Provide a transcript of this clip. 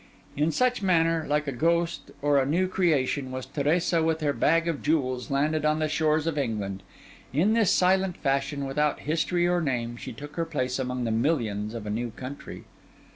In such manner, like a ghost or a new creation, was Teresa with her bag of jewels landed on the shores of England; in this silent fashion, without history or name, she took her place among the millions of a new country.